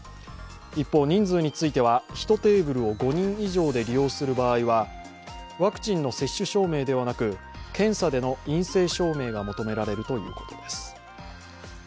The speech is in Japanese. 一方、人数については１テーブルを５人以上で利用する場合は、ワクチンの接種証明ではなく検査での陰性証明が求められるということです。